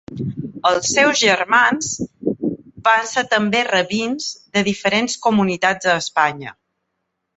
Els seus germans van ser també rabins de diferents comunitats a Espanya.